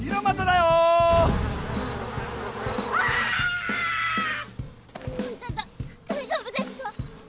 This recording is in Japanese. だ大丈夫ですか！？